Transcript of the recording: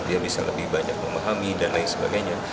dia bisa lebih banyak memahami dan lain sebagainya